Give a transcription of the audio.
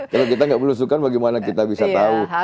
kalau kita gak berlusukan bagaimana kita bisa tahu